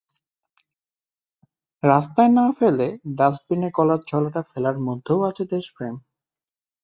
রাস্তায় না ফেলে ডাস্টবিনে কলার ছোলাটা ফেলার মধ্যেও আছে দেশপ্রেম।